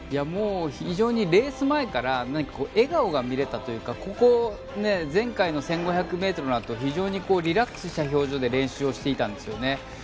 非常に、レース前から笑顔が見れたというか前回の１５００ｍのあと非常にリラックスした表情で練習をしていたんですよね。